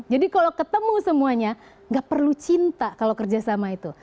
jadi kalau ketemu semuanya nggak perlu cinta kalau kerja sama itu